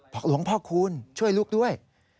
หลวงพ่อคูณช่วยลูกด้วย